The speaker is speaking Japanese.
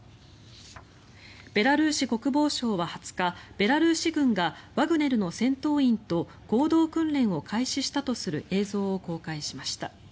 ベラルーシ国防省は２０日ベラルーシ軍がワグネルの戦闘員と合同訓練を開始したとする映像を公開しました。